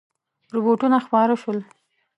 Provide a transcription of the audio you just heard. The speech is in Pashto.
رپوټونه خپاره شول.